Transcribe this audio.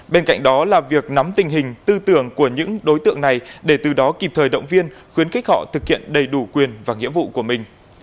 bên cạnh đó là việc nắm tình hình tư tưởng của những đối tượng này để từ đó kịp thời động viên khuyến khích họ thực hiện đầy đủ quyền và nghĩa vụ của mình